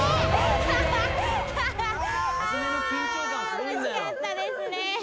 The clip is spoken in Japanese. ああ惜しかったですね